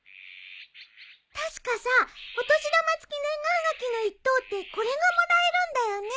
確かさお年玉付年賀はがきの１等ってこれがもらえるんだよね？